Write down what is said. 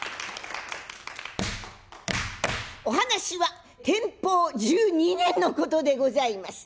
お話は天保１２年のことでございます。